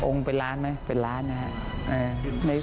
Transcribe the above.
เป็นล้านไหมเป็นล้านนะครับ